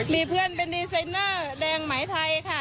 มีเพื่อนเป็นดีไซเนอร์แดงหมายไทยค่ะ